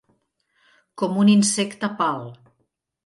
Com un insecte pal.